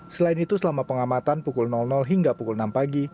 selain itu selama pengamatan pukul hingga pukul enam pagi